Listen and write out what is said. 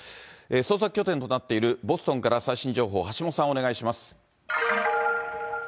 捜索拠点となっているボストンから最新情報、橋本さん、お願いします。